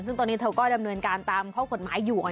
ซึ่งตอนนี้เธอก็ดำเนินการตามข้อกฎหมายอยู่